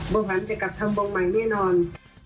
โบพันธ์จะกลับทำบงใหม่แน่นอน